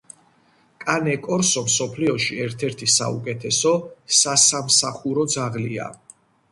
კანე კორსო მსოფლიოში ერთ-ერთი საუკეთესო სასამსახურო ძაღლია.